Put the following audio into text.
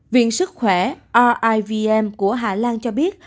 viện sức khỏe rivm của hà lan cho biết